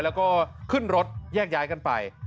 แล้วก็ขึ้นรถแยกย้ายกันไป